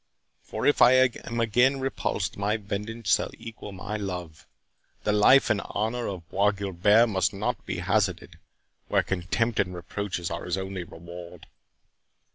for if I am again repulsed, my vengeance shall equal my love. The life and honour of Bois Guilbert must not be hazarded, where contempt and reproaches are his only reward."